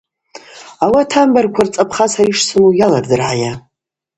Ауат амбарква рцӏапха сара йшсыму йалырдыргӏайа?